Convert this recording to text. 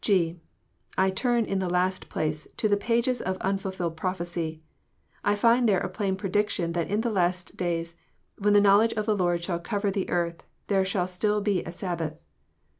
(g) I turn, in the last place, to the pages of unfulfilled Prophecy. I find there a plain prediction that in the last days, when the knowledge of the Lord shall cover the earth, there shall still be a Sabbath.